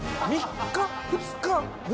３日２日